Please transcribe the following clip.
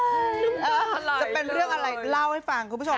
จะเป็นเรื่องอะไรเล่าให้ฟังคุณผู้ชม